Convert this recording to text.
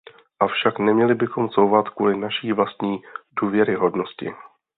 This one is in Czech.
Avšak neměli bychom couvat kvůli naší vlastní důvěryhodnosti.